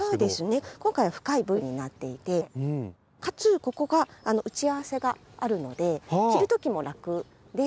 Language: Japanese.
今回は深いＶになっていてかつここが打ち合わせがあるので着る時も楽で。